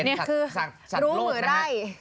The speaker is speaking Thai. นี่คือสักรูดนะฮะ